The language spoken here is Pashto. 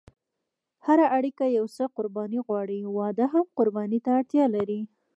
هره اړیکه یو څه قرباني غواړي، واده هم قرباني ته اړتیا لري.